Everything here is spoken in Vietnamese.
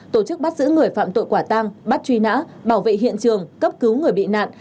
tổ chức bắt giữ người phạm tội quả tang bắt truy nã bảo vệ hiện trường cấp cứu người bị nạn